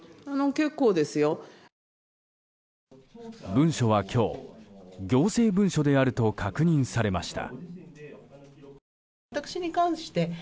文書は今日、行政文書であると確認されました。